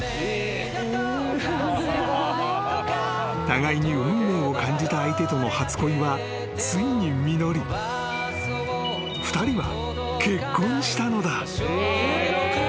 ［互いに運命を感じた相手との初恋はついに実り２人は結婚したのだ］